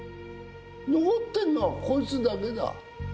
残ってんのはこいつだけだ。